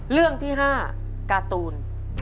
เรื่องที่๕การ์ตูน